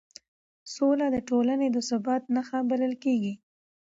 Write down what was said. سوله د ټولنې د ثبات نښه بلل کېږي